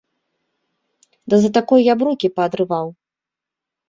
Да за такое я б рукі паадрываў!